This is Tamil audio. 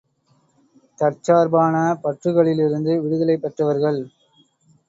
தற்சார்பான பற்றுக்களிலிருந்து விடுதலை பெற்றவர்கள்!